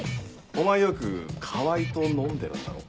お前よく川合と飲んでるんだろ？